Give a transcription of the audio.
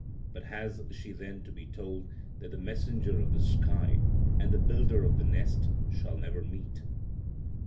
But has she then to be told that the messenger of the sky and the builder of the nest shall never meet?